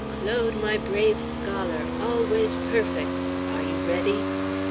Claude, my brave scholar, always perfect, ah you ready?"